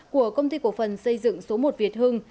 bốn trăm một mươi một của công ty cổ phần xây dựng số một việt hưng